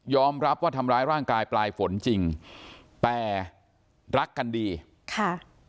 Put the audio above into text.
รับว่าทำร้ายร่างกายปลายฝนจริงแต่รักกันดีค่ะ